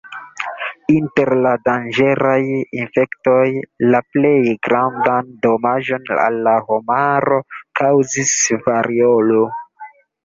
Inter la danĝeraj infektoj, la plej grandan damaĝon al la homaro kaŭzis variolo.